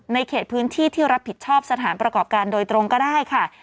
เขตพื้นที่ที่รับผิดชอบสถานประกอบการโดยตรงก็ได้ค่ะ